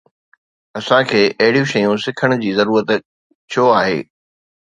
اسان کي اهڙيون شيون سکڻ جي ضرورت ڇو آهي؟